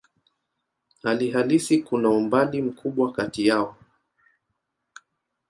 Hali halisi kuna umbali mkubwa kati yao.